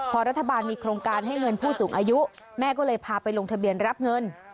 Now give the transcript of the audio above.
พอรัฐบาลมีโครงการให้เงินผู้สูงอายุแม่ก็เลยพาไปลงทะเบียนรับเงิน